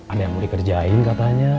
ada yang mau dikerjain katanya